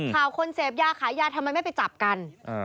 ข่าวคนเสพยาขายยาทำไมไม่ไปจับกัน